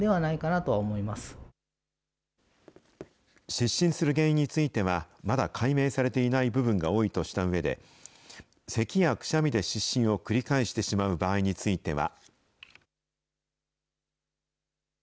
失神する原因については、まだ解明されていない部分が多いとしたうえで、せきやくしゃみで失神を繰り返してしまう場合については。